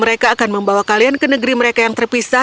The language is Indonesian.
mereka akan membawa kalian ke negeri mereka yang terpisah